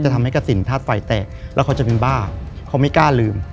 ทำให้กระสินธาตุไฟแตกแล้วเขาจะเป็นบ้าเขาไม่กล้าลืม